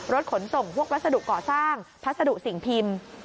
ขนส่งพวกวัสดุก่อสร้างพัสดุสิ่งพิมพ์